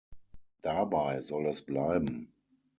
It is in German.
Dabei soll es bleiben.